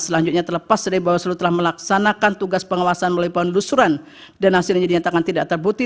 selanjutnya terlepas dari bawaslu telah melaksanakan tugas pengawasan melalui penelusuran dan hasilnya dinyatakan tidak terbukti